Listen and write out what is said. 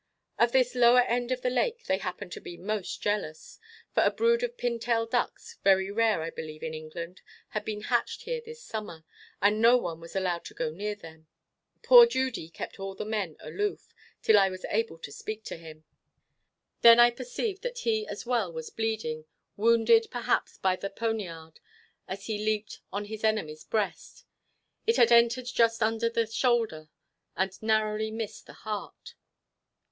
Of this lower end of the lake they happened to be most jealous; for a brood of pintail ducks, very rare I believe in England, had been hatched here this summer, and no one was allowed to go near them. Poor Judy kept all the men aloof, till I was able to speak to him. Then I perceived that he as well was bleeding, wounded perhaps by the poniard as he leaped on his enemy's breast. It had entered just under the shoulder, and narrowly missed the heart.